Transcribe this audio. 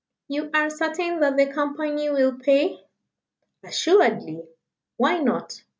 "You are certain that the Company will pay?" "Assuredly. Why not?